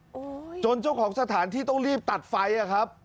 โอ้โฮจนเจ้าของซะแขนที่ต้องรีบตัดไฟ